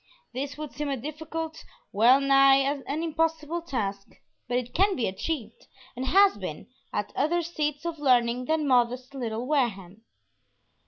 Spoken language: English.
This would seem a difficult, well nigh an impossible task, but it can be achieved, and has been, at other seats of learning than modest little Wareham.